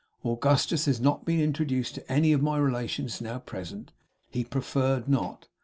Augustus has not been introduced to any of my relations now present. He preferred not.